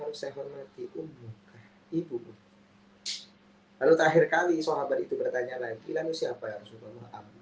harus saya hormati umurka ibu lalu terakhir kali sohabat itu bertanya lagi lalu siapa ya rasulullah